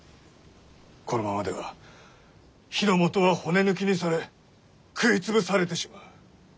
このままでは日の本は骨抜きにされ食い潰されてしまう。